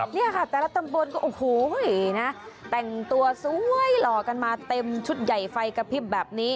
เนี่ยค่ะแต่ละตำบลก็โอ้โหนะแต่งตัวสวยหล่อกันมาเต็มชุดใหญ่ไฟกระพริบแบบนี้